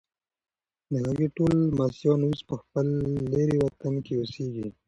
د هغې ټول لمسیان اوس په خپل لیرې وطن کې اوسیږي.